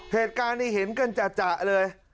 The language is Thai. เหตุการณ์นี้เห็นกันจ่ะเลย